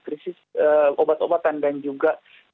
krisis obat obatan dan juga